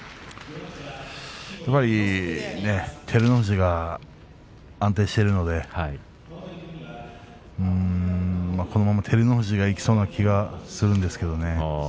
やはり照ノ富士が安定しているのでこのまま、照ノ富士がいきそうな気がするんですがね。